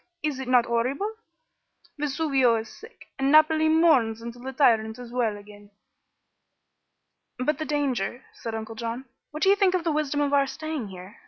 is it not horrible? Vesuvio is sick, and Naples mourns until the tyrant is well again." "But the danger," said Uncle John. "What do you think of the wisdom of our staying here?